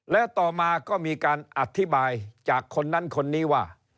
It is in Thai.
แล้วต่อมาก็มีการอธิบายจากคนนั้นคนนี้ว่า